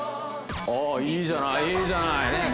ああいいじゃないいいじゃないねえ